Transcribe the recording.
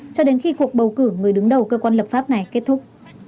cho đến khi cuộc bầu cử người đứng đầu cơ quan lập pháp này kết thúc